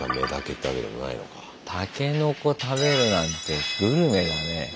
タケノコ食べるなんてグルメだね。